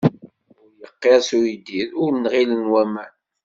Ur yeqqirṣ uyeddid, ur nɣilen waman.